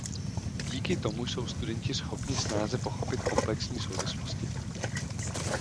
Díky tomu jsou studenti schopní snáze pochopit komplexní souvislosti.